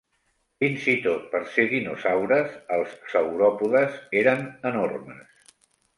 Fins i tot per ser dinosaures, els sauròpodes eren enormes.